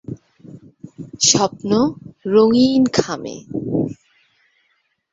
স্বপ্ন রঙ্গিন খামে।।